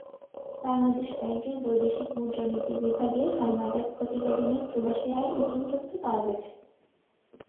বাংলাদেশ ব্যাংকের বৈদেশিক মুদ্রানীতি বিভাগের হালনাগাদ প্রতিবেদনে প্রবাসী-আয়ের নতুন তথ্য পাওয়া গেছে।